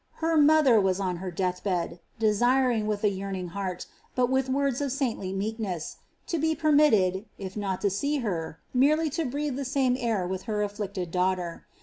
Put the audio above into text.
Her mother was on her death bed, desiring with a yearning heart, but with words of saintly meekness, to be permitted, if not to see her, merely to breathe the same air with her afflicted daughter.